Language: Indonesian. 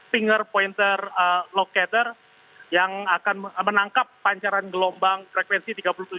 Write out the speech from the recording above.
finger pointer locator yang akan menangkap pancaran gelombang frekuensi tiga puluh tujuh